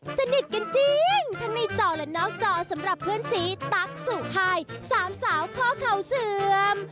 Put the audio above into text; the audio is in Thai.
สนิทกันจริงทั้งในจอและนอกจอสำหรับเพื่อนสีตั๊กสุภายสามสาวข้อเข่าเสื่อม